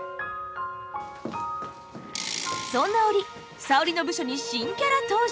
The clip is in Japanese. そんな折沙織の部署に新キャラ登場！